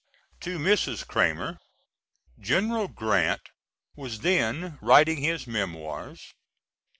[To Mrs. Cramer. General Grant was then writing his Memoirs. Dr.